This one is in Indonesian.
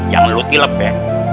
jangan lo tilep ya